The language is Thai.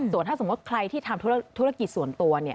ส่วนถ้าสมมุติใครที่ทำธุรกิจส่วนตัว